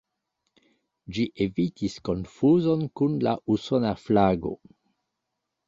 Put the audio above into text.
Ĝi evitis konfuzon kun la usona flago.